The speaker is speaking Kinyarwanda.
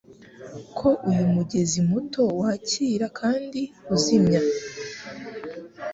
ko uyu mugezi muto wakira kandi uzimya